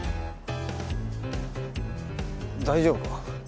大丈夫か？